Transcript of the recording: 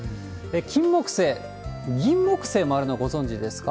キンモクセイ、ギンモクセイもあるのご存じですか？